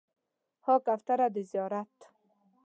ها کوتره د زیارت